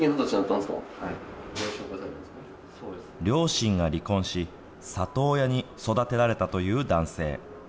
両親が離婚し、里親に育てられたという男性。